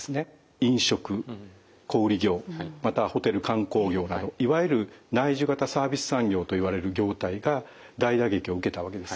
飲食小売業またはホテル観光業などいわゆる内需型サービス産業といわれる業態が大打撃を受けたわけですね。